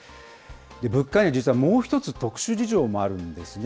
物価には実はもう一つ、特殊事情もあるんですね。